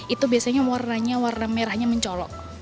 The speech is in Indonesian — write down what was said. itu biasanya warnanya warna merahnya mencolok